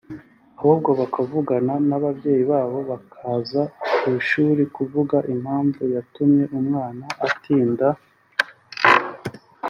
ahubwo bakavugana n’ababyeyi babo bakaza ku ishuri kuvuga impamvu yatumye umwana atinda